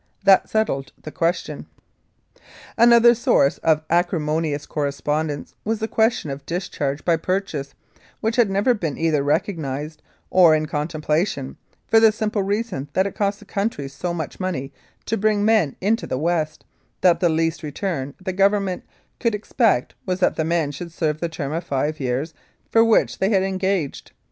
That settled that question. Another source of acrimonious correspondence was the question of discharge by purchase, which had never been either recognised or in contemplation, for the simple reason that it cost the country so much money to bring men into the West, that the least return the Government could expect was that the men should serve the term of five years for which they had engaged.